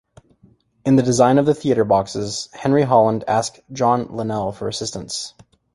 In the design of the theatre boxes, Henry Holland asked John Linnell for assistance.